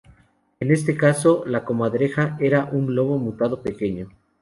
En este caso, la Comadreja era un lobo mutado pequeño.